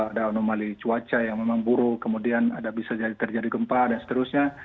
ada anomali cuaca yang memang buruk kemudian ada bisa jadi terjadi gempa dan seterusnya